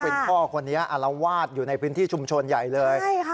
เป็นพ่อคนนี้อารวาสอยู่ในพื้นที่ชุมชนใหญ่เลยใช่ค่ะ